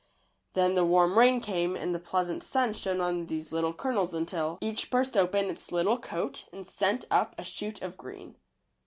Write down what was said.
Then the warm rain came and the pleas ant sun shone on these little kernels until 106 WHAT THE SUN DID. each burst open its little coat and sent up a shoot of green.